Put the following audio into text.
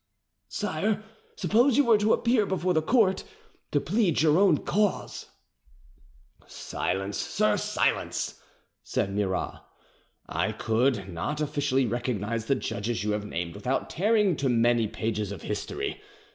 "Sire, suppose you were to appear before the court, to plead your own cause?" "Silence, sir, silence!" said Murat. "I could, not officially recognise the judges you have named without tearing too many pages of history.